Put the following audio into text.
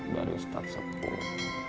dari ustadz sepul